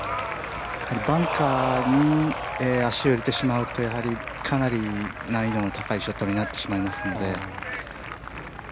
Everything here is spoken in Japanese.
バンカーに足を入れてしまうとかなり難易度の高いショットになってしまいますので。